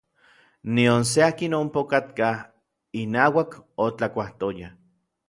Nion se akin ompa okatkaj inauak otlakuajtoyaj.